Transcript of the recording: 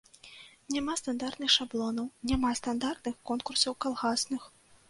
Няма стандартных шаблонаў, няма стандартных конкурсаў калгасных.